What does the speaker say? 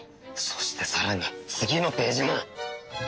そしてさらに次のページも！